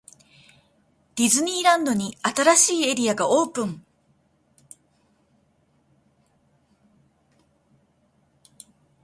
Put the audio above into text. ディズニーランドに、新しいエリアがオープン!!